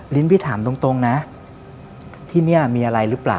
พี่ถามตรงนะที่นี่มีอะไรหรือเปล่า